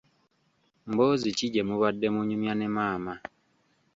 Mboozi ki gye mubadde munyumya ne maama?